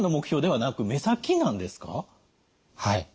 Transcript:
はい。